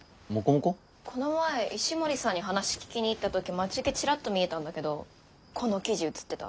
この前石森さんに話聞きに行った時待ち受けチラッと見えたんだけどこの生地写ってた。